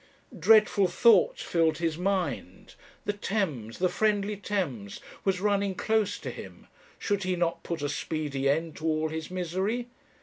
Dreadful thoughts filled his mind; the Thames, the friendly Thames, was running close to him; should he not put a speedy end to all his misery?